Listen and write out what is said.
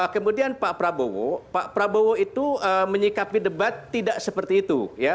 kemudian pak prabowo pak prabowo itu menyikapi debat tidak seperti itu